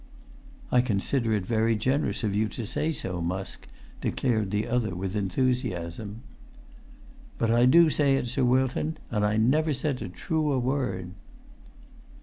"I consider it very generous of you to say so, Musk," declared the other, with enthusiasm. "But I do say it, Sir Wilton, and I never said a truer word."